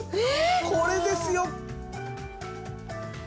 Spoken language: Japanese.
これですよ！